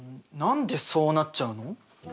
何でそうなっちゃうの？